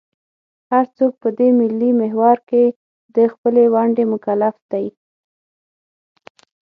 هر څوک په دې ملي محور کې د خپلې ونډې مکلف دی.